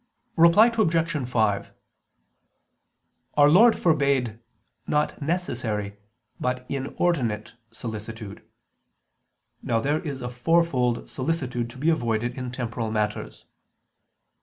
Reply Obj. 5: Our Lord forbade, not necessary, but inordinate solicitude. Now there is a fourfold solicitude to be avoided in temporal matters.